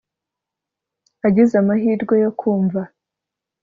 agize amahirwe yo kumva